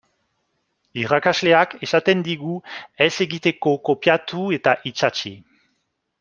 Irakasleak esaten digu ez egiteko kopiatu eta itsatsi.